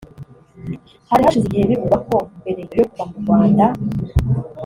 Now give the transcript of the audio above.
Hari hashize igihe bivugwa ko mbere yo kuva mu Rwanda